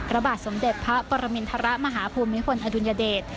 ระบาดสมเด็จพระปรมินทรมาฮภูมิพลอดุลยเดช